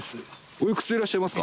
おいくつでいらっしゃいますか？